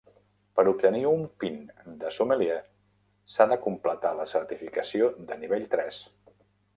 Per obtenir un PIN de sommelier, s'ha de completar la certificació de nivell tres.